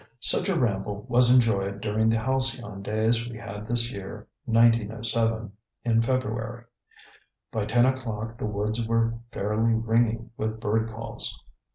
Such a ramble was enjoyed during the halcyon days we had this year (1907) in February. By 10 o'clock the woods were fairly ringing with bird calls.